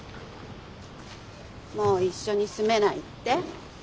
もう一緒に住めないって？